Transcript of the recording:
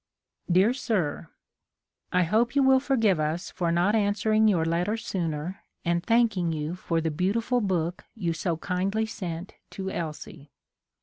Dear Sir, I hope you will forgive us for not an swering your letter sooner and thanking you for the beautiful book you so kindly sent to Elsie.